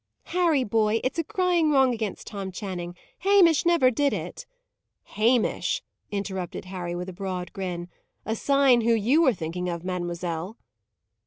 "Harry, boy, it's a crying wrong against Tom Channing. Hamish never did it " "Hamish" interrupted Harry, with a broad grin. "A sign who you are thinking of, mademoiselle."